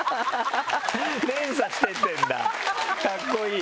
連鎖してってるんだ「カッコいい」。